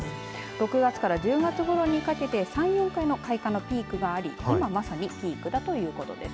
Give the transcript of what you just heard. ６月から１０月ごろにかけて３回、４回の開花のピークがあり今まさにピークだということです。